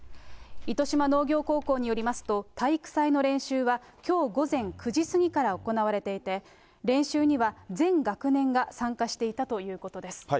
糸島農業高校によりますと、体育祭の練習は、きょう午前９時過ぎから行われていて、練習には全学年が参加していたということです。